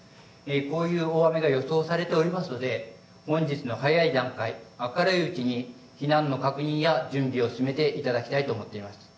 こういう大雨が予想されておりますので、本日の早い段階、明るいうちに避難の確認や準備を進めていただきたいと思っています。